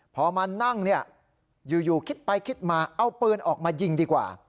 พอมานั่งเนี่ยอยู่คิดไปคิดมาเอาปืนออกมายิงดีกว่า